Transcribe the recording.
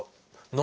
何？